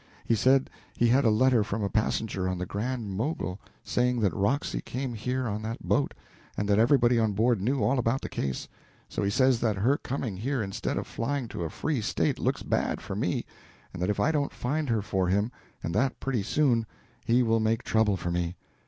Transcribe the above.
He said he had a letter from a passenger on the Grand Mogul saying that Roxy came here on that boat and that everybody on board knew all about the case; so he says that her coming here instead of flying to a free State looks bad for me, and that if I don't find her for him, and that pretty soon, he will make trouble for me.